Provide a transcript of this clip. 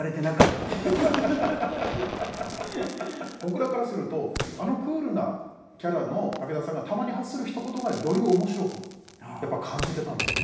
僕僕らからするとあのクールなキャラの武田さんがたまに発するひと言がより面白くやっぱ感じてたんですよね。